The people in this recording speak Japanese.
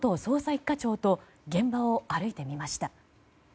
１課長と現場を歩いてみました。